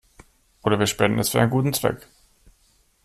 Oder wir spenden es für einen guten Zweck.